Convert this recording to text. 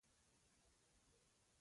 پسه د څارویو ډاکټر ته اړتیا لري.